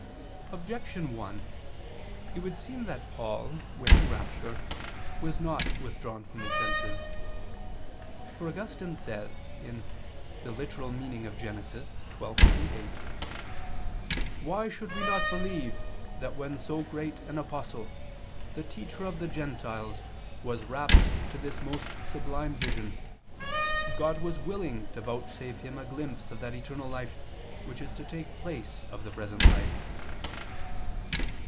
Objection 1: It would seem that Paul, when in rapture, was not withdrawn from his senses. For Augustine says (Gen. ad lit. xii, 28): "Why should we not believe that when so great an apostle, the teacher of the gentiles, was rapt to this most sublime vision, God was willing to vouchsafe him a glimpse of that eternal life which is to take the place of the present life?"